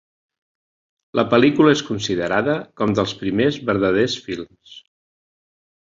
La pel·lícula és considerada com dels primers verdaders films.